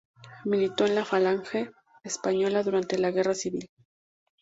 Militó en la Falange Española durante la Guerra Civil.